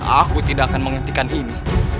aku tidak akan menghentikan ini